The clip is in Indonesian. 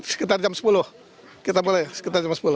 sekitar jam sepuluh kita boleh sekitar jam sepuluh